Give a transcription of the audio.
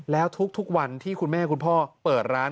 แล้วทุกวันที่คุณแม่คุณพ่อเปิดร้าน